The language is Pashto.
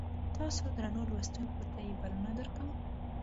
تاسو درنو لوستونکو ته یې بلنه درکوم.